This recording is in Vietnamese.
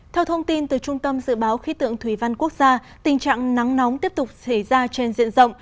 theo thông tin từ trung tâm dự báo khí tượng thủy văn quốc gia tình trạng nắng nóng tiếp tục xảy ra trên diện rộng